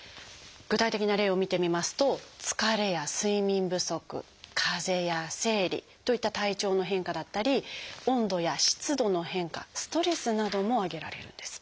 具体的な例を見てみますと「疲れ」や「睡眠不足」「かぜ」や「生理」といった体調の変化だったり「温度や湿度の変化」「ストレス」なども挙げられるんです。